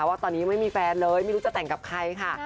ว่าตอนนี้ไม่มีแฟนเลยไม่รู้จะแต่งกับใครค่ะ